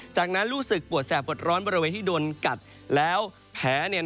จากนั้นรู้สึกปวดแสบปวดร้อนบริเวณที่โดนกัดแล้วแผล